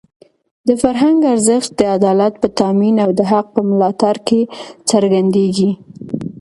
د فرهنګ ارزښت د عدالت په تامین او د حق په ملاتړ کې څرګندېږي.